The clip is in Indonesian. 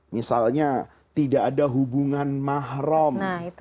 misalnya tidak ada hubungan mahrum